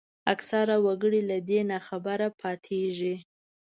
اکثره وګړي له دې ناخبره پاتېږي